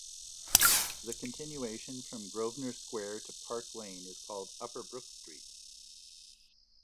The continuation from Grosvenor Square to Park Lane is called Upper Brook Street.